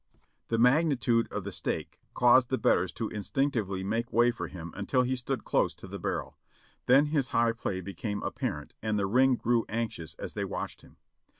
The magnitude of the stake caused the betters to instinc tively make way for him until he stood close to the barrel ; then his high play became apparent and the ring grew anxious as they watched him.